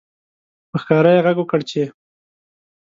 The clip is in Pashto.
په ښکاره یې غږ وکړ چې